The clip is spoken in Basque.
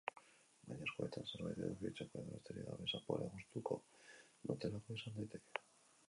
Baina eskuetan zerbait edukitzeko edo besterik gabe zaporea gustuko dutelako izan daiteke.